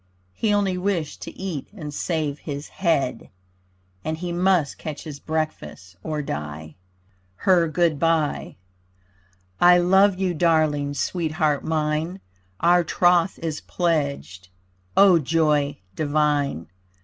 He only wished to eat and save his head, And he must catch his breakfast, or die. HER GOOD BYE I love you, Darling, sweetheart mine, Our troth is pledged, O joy divine!